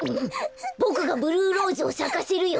ボクがブルーローズをさかせるよ！